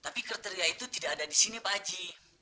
tapi kriteria itu tidak ada di sini pak haji